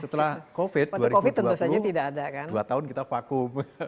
setelah covid dua ribu dua puluh dua tahun kita vakum